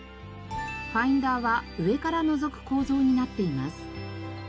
ファインダーは上から覗く構造になっています。